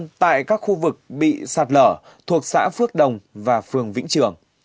các hộ dân tại các khu vực bị sạt lở thuộc xã phước đồng và phường vĩnh trường